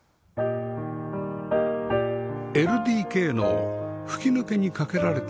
ＬＤＫ の吹き抜けに架けられた橋